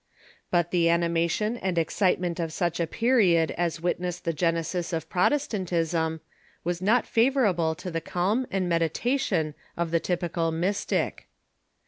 But the Reaction _ i _ animation and excitement of such a period as wit nessed the genesis of Protestantism was not favorable to the calm and meditation of the typical Mystic.